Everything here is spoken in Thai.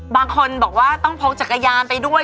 บางคนบอกว่าต้องพกจักรยานไปด้วย